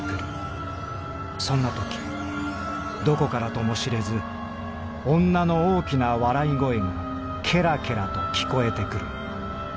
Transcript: そんなときどこからとも知れず女の大きな笑い声が『ケラケラ』と聞こえて来る。